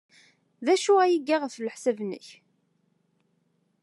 D acu ay iga, ɣef leḥsab-nnek?